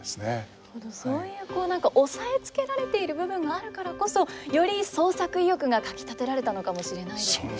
本当にそういうこう何か抑えつけられている部分があるからこそより創作意欲がかきたてられたのかもしれないですね。